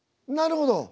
なるほど！